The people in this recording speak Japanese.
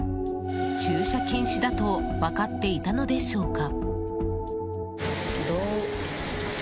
駐車禁止だと分かっていたのでしょうか？